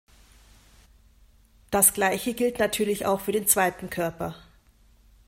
Das Gleiche gilt natürlich auch für den zweiten Körper.